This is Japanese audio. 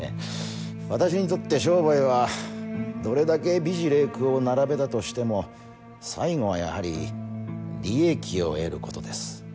私にとって商売はどれだけ美辞麗句を並べたとしても最後はやはり利益を得る事です。